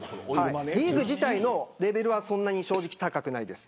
リーグ自体のレベルは正直そんなに高くないです。